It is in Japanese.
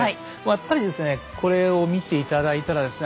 やっぱりですねこれを見て頂いたらですね